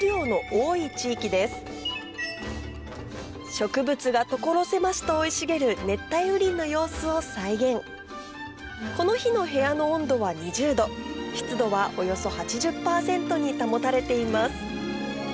植物が所狭しと生い茂る熱帯雨林の様子を再現この日の部屋の温度は２０℃湿度はおよそ８０％に保たれています